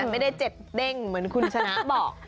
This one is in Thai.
ไม่ได้เจ็บเด้งเหมือนคุณชนะบอก